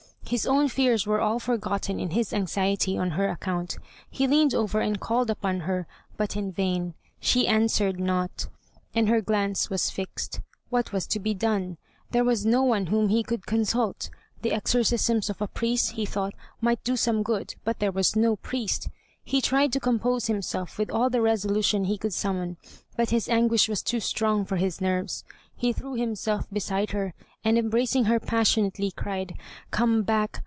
His own fears were all forgotten in his anxiety on her account. He leaned over and called upon her, but in vain. She answered not, and her glance was fixed. What was to be done? There was no one whom he could consult. The exorcisms of a priest, he thought, might do some good, but there was no priest. He tried to compose himself with all the resolution he could summon, but his anguish was too strong for his nerves. He threw himself beside her, and embracing her passionately, cried, "Come back!